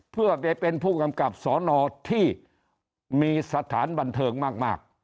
เพื่อไปเป็นผู้กำกับสอนอที่มีสถานบันเทิงมาก